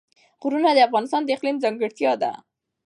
غرونه د افغانستان د اقلیم ځانګړتیا ده.